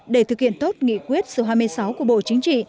để thực hiện tốt nghị quyết số hai mươi sáu của bộ chính trị